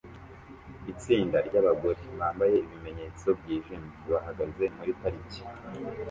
Itsinda ryabagore bambaye ibimenyetso byijimye bahagaze muri parike